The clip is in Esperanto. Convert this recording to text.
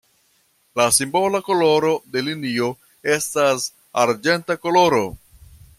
La simbola koloro de linio estas arĝenta koloro.